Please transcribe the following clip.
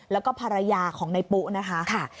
แล้วก็ภรรยาของในปุ๊นะคะ